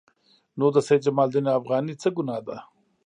نو د سید جمال الدین افغاني څه ګناه ده.